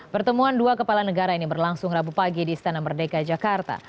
pertemuan dua kepala negara ini berlangsung rabu pagi di istana merdeka jakarta